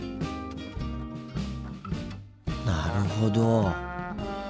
なるほど。